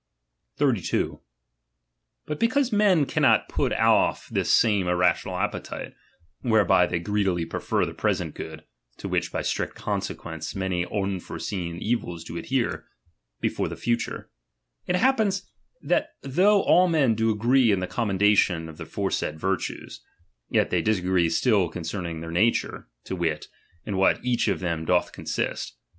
32. But because men cannot put off this same irrational appetite, whereby they greedily prefer the present good (to which, by strict consequence, many unforseen evils do adhere) before the future ; it happens, that though all men do agree in the commendation of the foresaid virtues, yet they dis agree still concerning their nature, to wit, in what each of them doth consist.